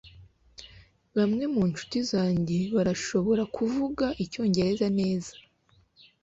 bamwe mu nshuti zanjye barashobora kuvuga icyongereza neza